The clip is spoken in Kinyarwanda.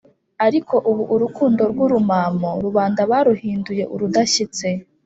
" ariko ubu urukundo rw'urumamo rubanda baruhinduye urudashyitse;